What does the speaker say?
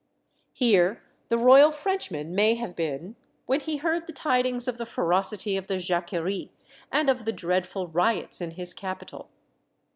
Here the royal Frenchman may have been when he heard the tidings of the ferocity of the Jacquerie, and of the dreadful riots in his capital.